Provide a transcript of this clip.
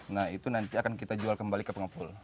nah itu nanti akan kita jual kembali ke pengepul